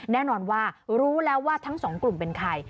แน่นอนว่ารู้แล้วว่าทั้งสองกลุ่มเป็นใคร